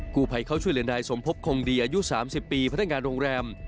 กูภัยเข้าช่วยเรียนรายสมพบคงดีอายุ๓๐ปีพัฒนงานโรงแรม